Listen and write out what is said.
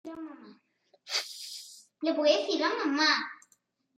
Es interpretada por Ellen Wong.